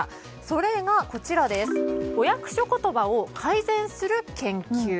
それがお役所言葉を改善する研究。